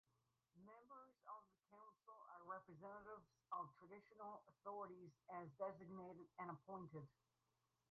Members of the council are representatives of Traditional Authorities as designated and appointed.